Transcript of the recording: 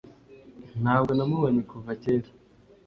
Ntabwo namubonye kuva kera